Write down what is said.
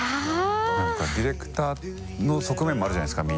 何かディレクターの側面もあるじゃないですか